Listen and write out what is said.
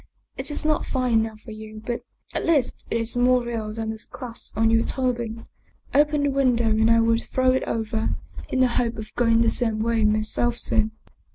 It is not fine enough for you, but at least it is more real than the clasp on your turban. Open the window and I will throw it over, in the hope of going the same way myself soon."